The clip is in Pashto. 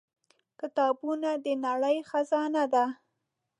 • کتابونه د نړۍ خزانه ده.